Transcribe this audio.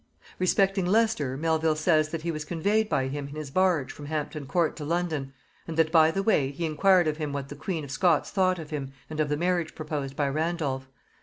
Respecting Leicester, Melvil says, that he was conveyed by him in his barge from Hampton Court to London, and that, by the way, he inquired of him what the queen of Scots thought of him and of the marriage proposed by Randolph.